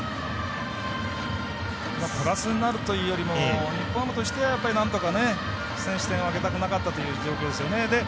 プラスになるというよりも日本ハムとしてはなんとか先取点をあげたくなかったという状況ですよね。